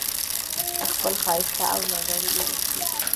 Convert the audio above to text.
خپل ښایسته او نازولي بچي